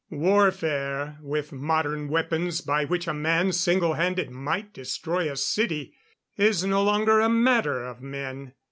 Warfare, with modern weapons by which a man single handed might destroy a city is no longer a matter of men.